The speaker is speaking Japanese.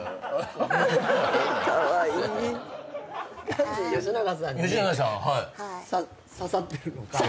何で吉永さんに刺さってるのか。